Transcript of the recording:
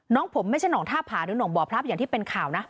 น้องผมไม่ใช่หนองท่าผาหรือหนองบ่อพลับอย่างที่เป็นข่าวนะ